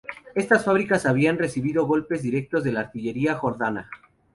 Estas fábricas habían recibido golpes directos de la artillería jordana.